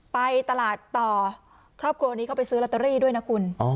ไปตลาดต่อครอบครัวนี้เขาไปซื้อลอตเตอรี่ด้วยนะคุณ